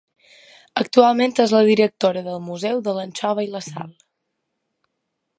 Actualment és la directora del Museu de l’Anxova i la Sal.